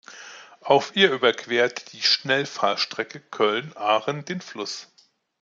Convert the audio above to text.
Auf ihr überquert die Schnellfahrstrecke Köln–Aachen den Fluss.